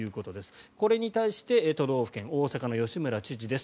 これに対して都道府県大阪の吉村知事です。